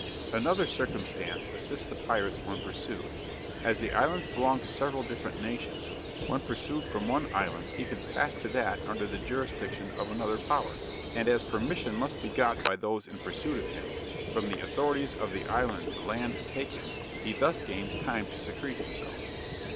Another circumstance assists the pirate when pursued. As the islands belong to several different nations, when pursued from one island he can pass to that under the jurisdiction of another power. And as permission must be got by those in pursuit of him, from the authorities of the island to land and take him, he thus gains time to secrete himself.